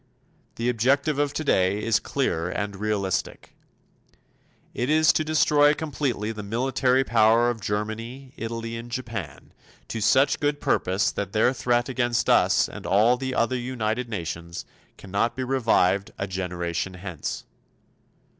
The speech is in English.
The objective of today is clear and realistic. It is to destroy completely the military power of Germany, Italy and Japan to such good purpose that their threat against us and all the other United Nations cannot be revived a generation hence.